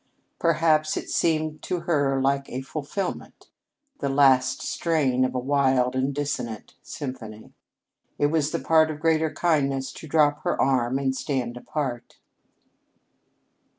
Perhaps it seemed to her like a fulfillment the last strain of a wild and dissonant symphony. It was the part of greater kindness to drop her arm and stand apart.